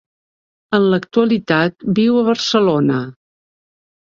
En l'actualitat viu a Barcelona.